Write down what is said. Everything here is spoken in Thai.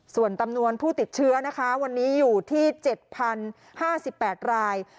ส่วนจำนวนผู้ติดเชื้อนะคะวันนี้อยู่ที่๗๐๕๘ราย